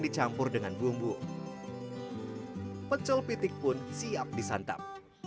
dicampur dengan bumbu pecel pitik pun siap disantap